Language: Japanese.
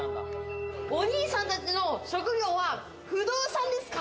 お兄さんたちの職業は不動産ですか？